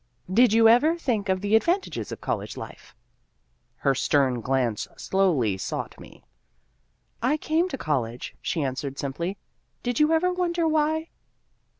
" Did you ever think of the advantages of college life ?". Her stern glance slowly sought me. " I came to college," she answered simply, " did you ever wonder why